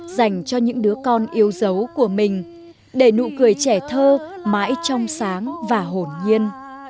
dành cho những đứa con yêu dấu của mình để nụ cười trẻ thơ mãi trong sáng và hồn nhiên